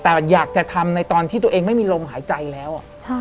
แต่อยากจะทำในตอนที่ตัวเองไม่มีลมหายใจแล้ว